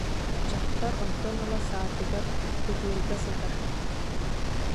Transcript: Дьахтар онтон ыла саатыгар ытыырга сытар